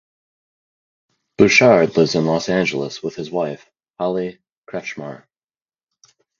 Bouchard lives in Los Angeles with his wife, Holly Kretschmar.